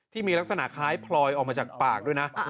ที่มีลักษณะคล้ายพลอยออกมาจากปากด้วยนะ